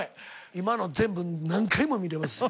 今の全部何回も見れますよ。